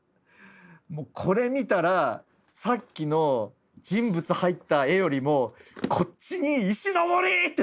もうこれ見たらさっきの人物入った絵よりもこっちに「石森！」って叫びたくなるんですよ。